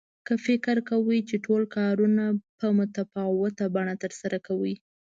که فکر کوئ چې ټول کارونه په متفاوته بڼه ترسره کوئ.